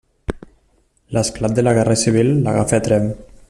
L'esclat de la Guerra Civil l'agafa a Tremp.